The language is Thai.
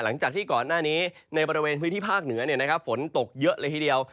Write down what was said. หลังจากที่ก่อนหน้านี้ในบริเวณพื้นที่ภาคเหนือฝนตกเยอะเลยทีเดียว